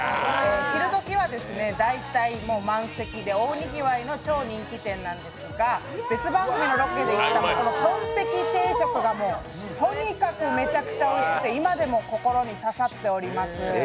昼どきは大体満席で大賑わいの超人気店なんですが別番組のロケで行った、このとんテキ定食がとにかくめちゃくちゃおいしくて、今でも心に刺さっております。